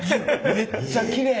めっちゃきれい。